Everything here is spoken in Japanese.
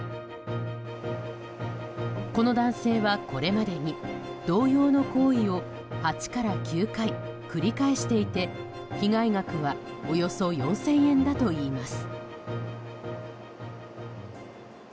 この男性はこれまでに同様の行為を８から９回繰り返していて被害額はおよそ４０００円だといいます。